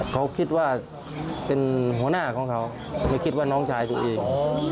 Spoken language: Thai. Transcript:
เขาคิดว่าเป็นหัวหน้าของเขาไม่คิดว่าน้องชายตัวเอง